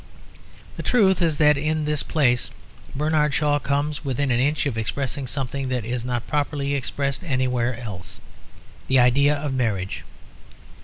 The truth is that in this place Bernard Shaw comes within an inch of expressing something that is not properly expressed anywhere else; the idea of marriage.